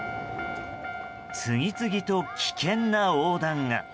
次々と危険な横断が。